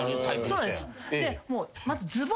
そうなんです。